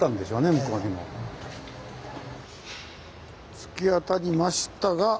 突き当たりましたが。